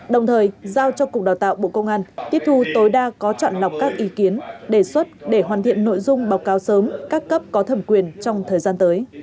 đồng thời giao cho cục đào tạo bộ công an tiếp thu tối đa có chọn lọc các ý kiến đề xuất để hoàn thiện nội dung báo cáo sớm các cấp có thẩm quyền trong thời gian tới